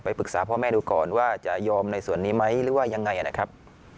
ปรึกษาพ่อแม่ดูก่อนว่าจะยอมในส่วนนี้ไหมหรือว่ายังไงนะครับ